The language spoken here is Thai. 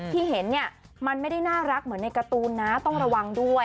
ที่เห็นเนี่ยมันไม่ได้น่ารักเหมือนในการ์ตูนนะต้องระวังด้วย